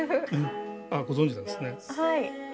ご存じなんですね。